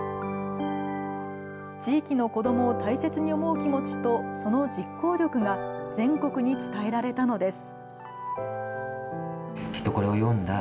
地域の子どもを大切に思う気持ちと、その実行力が、全国に伝えられたのです。